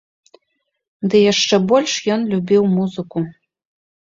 Ды яшчэ больш ён любіў музыку.